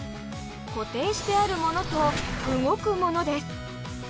固定してあるものと動くものです。